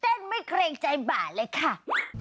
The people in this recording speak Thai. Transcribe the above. เต้นไม่เกรงใจบาลเลยค่ะ